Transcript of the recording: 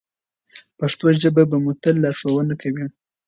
پښتو ژبه به مو تل لارښوونه کوي.